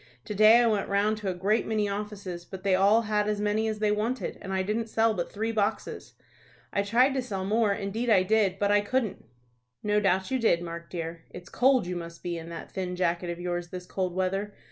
To day I went round to a great many offices, but they all had as many as they wanted, and I didn't sell but three boxes. I tried to sell more, indeed I did, but I couldn't." "No doubt you did, Mark, dear. It's cold you must be in that thin jacket of yours this cold weather.